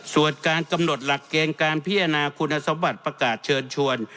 ส่วนการกำหนดหลักเกณฑ์การพิจารณาคุณสมบัติประกาศเชิญชวน